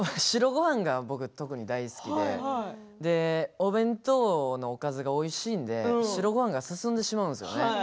白ごはんが僕特に大好きでお弁当のおかずがおいしいんで白ごはんが進んでしまうんですね。